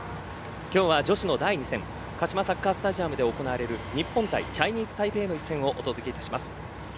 今日は、女子の第２戦カシマサッカースタジアムで行われる日本対チャイニーズタイペイの一戦をお届けします。